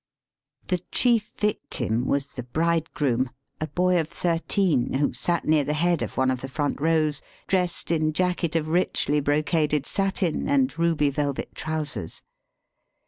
The chief victim was the bridegroom, a boy of thirteen, who sat near the head of one of the front rows, dressed in jacket of richly brocaded satin and ruby velvet trousers.